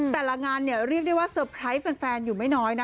แต่ละงานเนี่ยเรียกได้ว่าเซอร์ไพรส์แฟนอยู่ไม่น้อยนะ